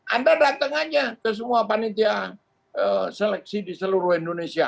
anda datang aja ke semua panitia seleksi di seluruh indonesia